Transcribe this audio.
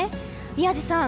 宮司さん